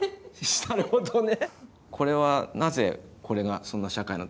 なるほどね。